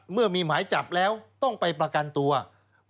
มีผลด้วย